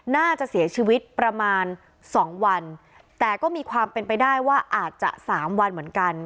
น่าจะเสียชีวิตประมาณสองวันแต่ก็มีความเป็นไปได้ว่าอาจจะสามวันเหมือนกัน